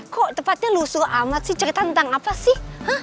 kok tempatnya lusul amat sih cerita tentang apa sih